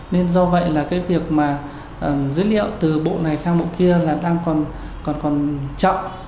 nên do vậy là cái việc mà dữ liệu từ bộ này sang bộ kia là đang còn chậm